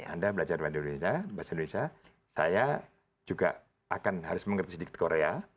anda belajar bahasa indonesia bahasa indonesia saya juga akan harus mengerti sedikit korea